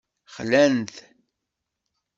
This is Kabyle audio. Xlan-t.